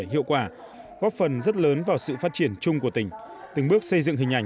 hiệu quả góp phần rất lớn vào sự phát triển chung của tỉnh từng bước xây dựng hình ảnh